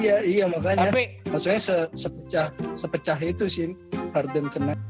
iya iya makanya maksudnya sepecah itu sih harden kena